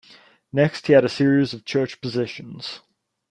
Next he had a series of church positions.